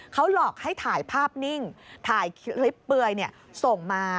เขาหลอกให้ถ่ายภาพนิ่งถ่ายคลิปเปลือยส่งมา